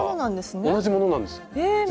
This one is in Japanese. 同じものなんですね。